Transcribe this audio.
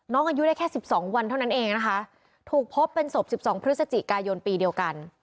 น้องอายุได้แค่สิบสองวันเท่านั้นเองนะคะถูกพบเป็นศพสิบสองพฤษจิกายนปีเดียวกัน